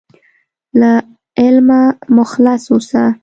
له علمه مخلص اوسه.